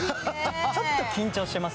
ちょっと緊張してます。